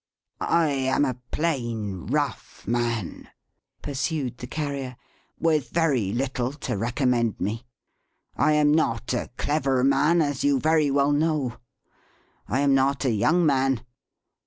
"I am a plain, rough man," pursued the Carrier, "with very little to recommend me. I am not a clever man, as you very well know. I am not a young man.